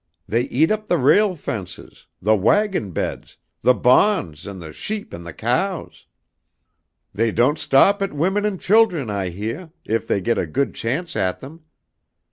They eat up the rail fences, the wagon beds, the bahns and the sheep and the cows. They don't stop at women and children, I heah, if they get a good chance at them.